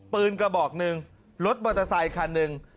กระบอกหนึ่งรถมอเตอร์ไซคันหนึ่ง